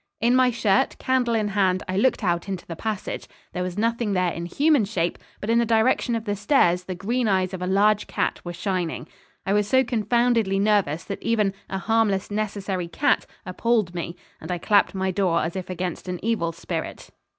In my shirt, candle in hand, I looked out into the passage. There was nothing there in human shape, but in the direction of the stairs the green eyes of a large cat were shining. I was so confoundedly nervous that even 'a harmless, necessary cat' appalled me, and I clapped my door, as if against an evil spirit.